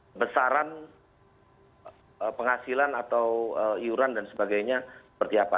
dengan besaran penghasilan atau iuran dan sebagainya seperti apa